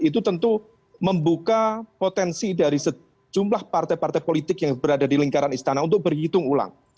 itu tentu membuka potensi dari sejumlah partai partai politik yang berada di lingkaran istana untuk berhitung ulang